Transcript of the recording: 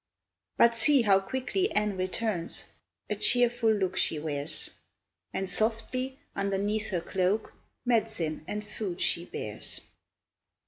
But see how quickly Anne returns, A cheerful look she wears, And softly, underneath her cloak, Med'cine and food she bears.